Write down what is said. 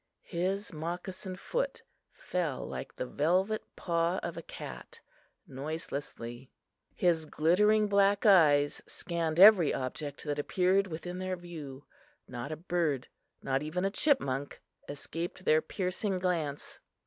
His moccasined foot fell like the velvet paw of a cat noiselessly; his glittering black eyes scanned every object that appeared within their view. Not a bird, not even a chipmunk, escaped their piercing glance.